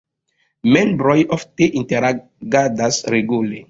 Membroj ofte interagadas regule.